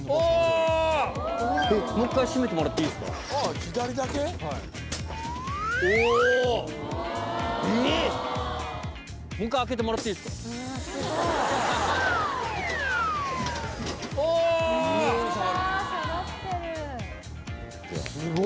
もう一回、開けてもらっていいですか？